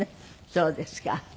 そうですか。